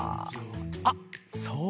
あっそうだ！